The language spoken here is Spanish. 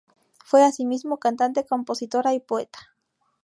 Fue, asimismo, cantante, compositora y poeta.